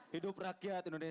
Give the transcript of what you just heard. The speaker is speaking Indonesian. hidup rakyat indonesia